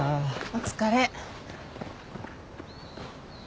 お疲れ。